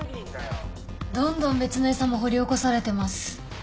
どんどん別の餌も掘り起こされてます。